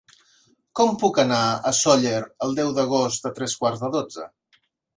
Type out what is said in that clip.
Com puc anar a Sóller el deu d'agost a tres quarts de dotze?